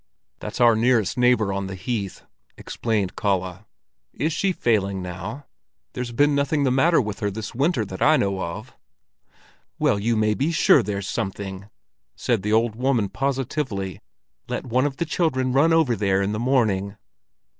"That's our nearest neighbor on the heath," explained Kalle. "Is she failing now? There's been nothing the matter with her this winter that I know of." "Well, you may be sure there's something," said the old woman positively. "Let one of the children run over there in the morning."